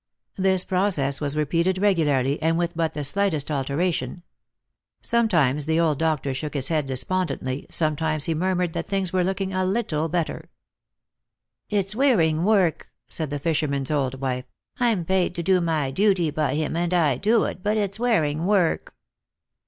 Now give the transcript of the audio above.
This pro cess was repeated regularly, and with but the slightest altera Lost for Love. 329 tion. Sometimes the old doctor shook his head despondently, sometimes he murmured that things were looking a little better. "It's wearing work," said the fisherman's old wife; "I'm paid to do my duty by him, and I do it, but it's wearing work."